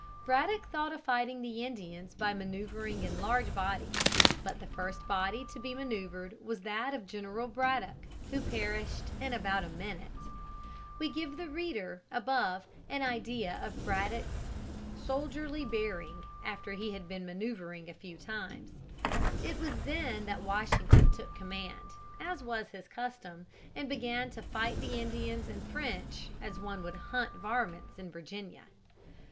Braddock thought of fighting the Indians by man[oe]uvring in large bodies, but the first body to be man[oe]uvred was that of General Braddock, who perished in about a minute. [Illustration: GENERAL BRADDOCK AFTER SCORNING WASHINGTON'S ADVICE.] We give the reader, above, an idea of Braddock's soldierly bearing after he had been man[oe]uvring a few times. It was then that Washington took command, as was his custom, and began to fight the Indians and French as one would hunt varmints in Virginia.